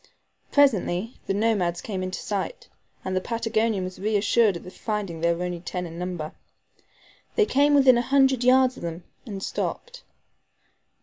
Presently the nomads came in sight, and the Patagonian was reassured at finding they were only ten in number. They came within a hundred yards of them, and stopped.